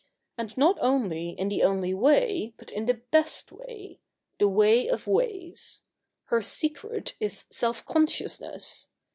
And not only in the only way, but in the best way — the way of ways. Her secret is self consciousness.